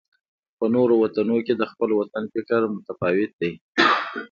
په نورو وطنونو کې د خپل وطن فکر متفاوت دی.